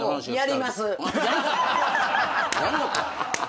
やんのか。